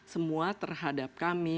semua terhadap kami